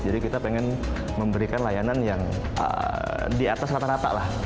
jadi kita pengen memberikan layanan yang di atas rata rata lah